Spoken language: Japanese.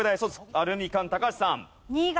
アルミカン高橋さん。